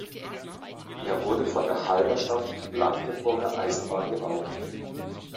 Er wurde von der Halberstadt-Blankenburger Eisenbahn gebaut.